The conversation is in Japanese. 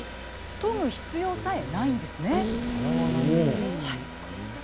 とぐ必要さえないんですね。